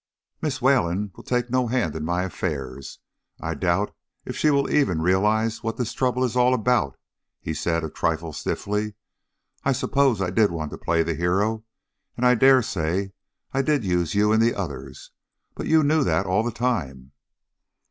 "Miss Wayland will take no hand in my affairs. I doubt if she will even realize what this trouble is all about," he said, a trifle stiffly. "I suppose I did want to play the hero, and I dare say I did use you and the others, but you knew that all the time."